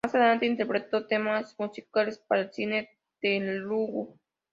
Más adelante interpretó temas musicales para el cine Telugu.